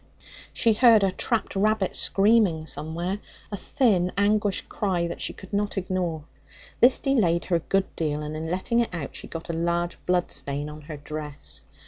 She heard a trapped rabbit screaming somewhere, a thin anguished cry that she could not ignore. This delayed her a good deal, and in letting it out she got a large bloodstain on her dress.